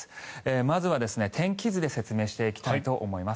まずは天気図で説明していきたいと思います。